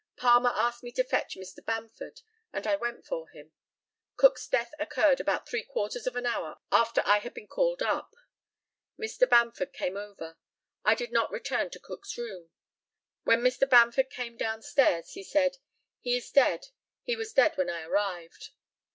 Palmer asked me to fetch Mr. Bamford, and I went for him. Cook's death occurred about three quarters of an hour after I had been called up. Mr. Bamford came over. I did not return to Cook's room. When Mr. Bamford came down stairs he said, "He is dead: he was dead when I arrived."